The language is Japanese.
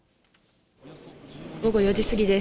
午後４時過ぎです。